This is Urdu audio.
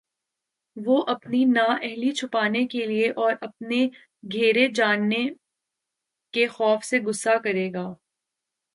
وہ اپنی نااہلی چھپانے کے لیے اور اپنے گھیرے جانے کے خوف سے غصہ کرے گا